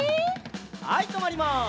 はいとまります。